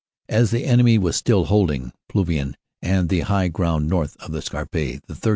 "As the enemy was still holding Plouvain and the high ground north of the Scarpe, the 3rd.